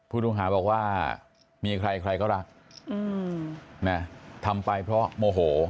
พูดภูมิหาบอกว่ามีใครเขารักทำไปเพราะโมโห